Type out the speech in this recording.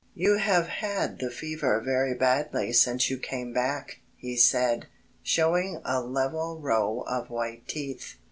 "You have had the fever very badly since you came back," he said, showing a level row of white teeth.